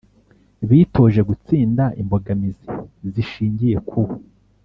bitoje gutsinda imbogamizi zishingiye ku